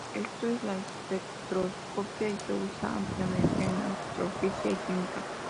Esto es la espectroscopia y se usa ampliamente en astrofísica y química.